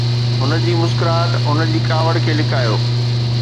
هن جي مسڪراهٽ هن جي ڪاوڙ کي لڪايو